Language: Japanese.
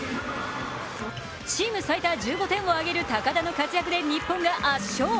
チーム最多１５点を挙げる高田の活躍で日本が圧勝。